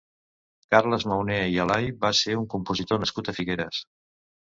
Carles Mauné i Alai va ser un compositor nascut a Figueres.